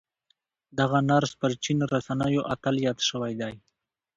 دغه نرس پر چين رسنيو اتل ياد شوی دی.